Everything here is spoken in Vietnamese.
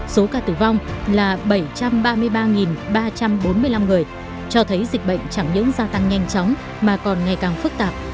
số ca tử vong là bảy trăm ba mươi ba ba trăm bốn mươi năm người cho thấy dịch bệnh chẳng những gia tăng nhanh chóng mà còn ngày càng phức tạp